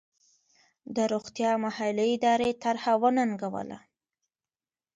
د روغتیا محلي ادارې طرحه وننګوله.